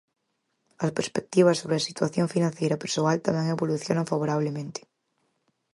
"As perspectivas sobre a situación financeira persoal tamén evolucionan favorablemente".